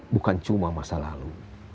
bukan cuma masa lalu